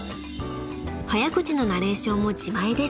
［早口のナレーションも自前です］